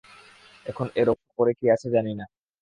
এখন এর ওপরে কী আছে জানি না।